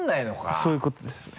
そういうことですね。